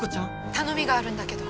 頼みがあるんだけど。